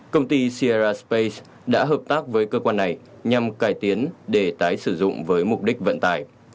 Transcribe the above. công ty sierraspace đã hợp tác với cơ quan này nhằm cải tiến để tái sử dụng với mục đích vận tải